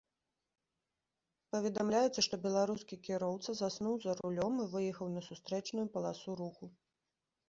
Паведамляецца, што беларускі кіроўца заснуў за рулём і выехаў на сустрэчную паласу руху.